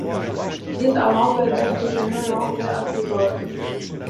Dites à l'empereur que je me rendrai à ses ordres.